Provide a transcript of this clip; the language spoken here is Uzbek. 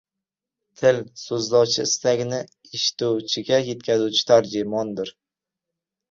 Til — so‘zlovchi istagini eshituvchiga yetkazuvchi tarjimondir.